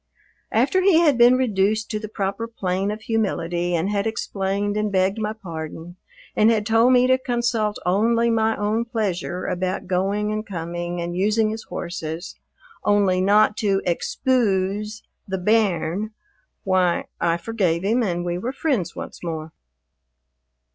After he had been reduced to the proper plane of humility and had explained and begged my pardon and had told me to consult only my own pleasure about going and coming and using his horses, only not to "expoose" the bairn, why, I forgave him and we were friends once more.